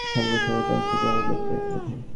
মুসলমানরা তোমাদের নাম শুনতেই আঁৎকে ওঠে।